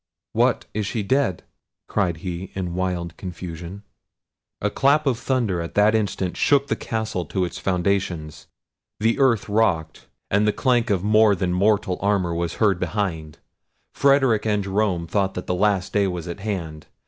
"What! is she dead?" cried he in wild confusion. A clap of thunder at that instant shook the castle to its foundations; the earth rocked, and the clank of more than mortal armour was heard behind. Frederic and Jerome thought the last day was at hand.